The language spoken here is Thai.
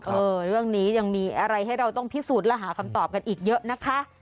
เออเรื่องนี้ยังมีอะไรให้เราต้องพิสูจน์และหาคำตอบกันอีกเยอะนะคะ